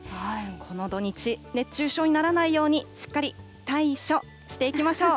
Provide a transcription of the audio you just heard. この土日、熱中症にならないように、しっかりたいしょしていきましょう。